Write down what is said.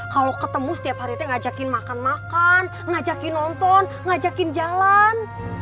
kalau ketemu setiap hari itu ngajakin makan makan ngajakin nonton ngajakin jalan